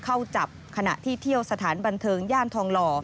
เข้าจับขณะที่เที่ยวสถานบันเทิงย่านทองหล่อ